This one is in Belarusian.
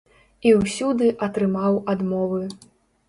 І ўсюды атрымаў адмовы.